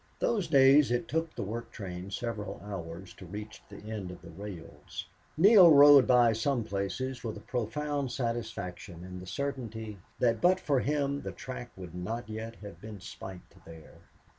Those days it took the work train several hours to reach the end of the rails. Neale rode by some places with a profound satisfaction in the certainty that but for him the track would not yet have been spiked there.